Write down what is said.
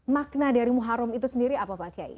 makna dari muharram itu sendiri apa pak kiai